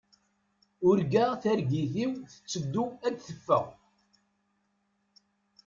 Urgaɣ targit-iw tetteddu ad teffeɣ.